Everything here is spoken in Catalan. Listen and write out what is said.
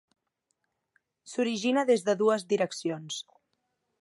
S'origina des de dues direccions.